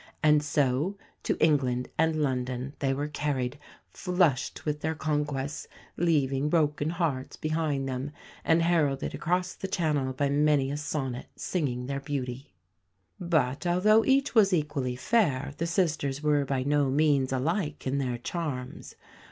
And so to England and London they were carried, flushed with their conquests, leaving broken hearts behind them, and heralded across the Channel by many a sonnet singing their beauty. But, although each was equally fair, the sisters were by no means alike in their charms.